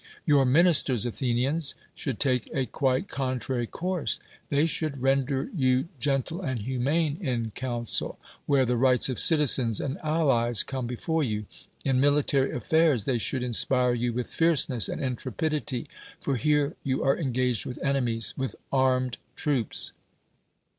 Your itiinisfers, Athe nians, should tak'e a ([uite contr ary course. They sliouiil riMjder v(ju gi nth' and !iu::i, inc in cmh k THE WORLD'S FAMOUS ORATIONS cil, where the rights of citizens and allies come before you; in military affairs they should in spire you with fierceness and intrepidity; for here you are engaged with enemies, with armed troops.